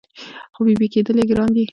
خو بېبي کېدل یې ګران دي